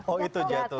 oh itu jatuh tuh